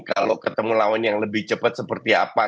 kalau ketemu lawan yang lebih cepat seperti apa